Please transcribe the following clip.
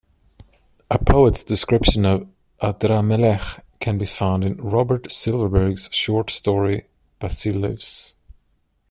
A poet's description of Adramelech can be found in Robert Silverberg's short story "Basileus".